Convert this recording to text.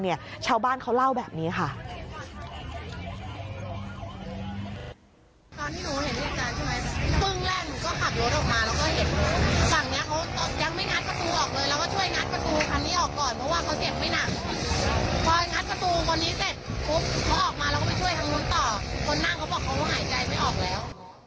คนนั่งเขาบอกว่าเขาหายใจไม่ออกแล้ว